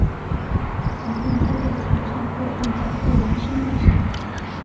一般贴在墙上或印在雇员身份上。